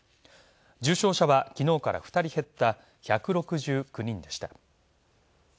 重症者は昨日から２人減った１６９人でした。